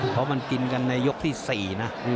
เพราะมันกินกันในยกที่ที่สี่นะ